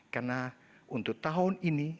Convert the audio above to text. karena untuk tahun ini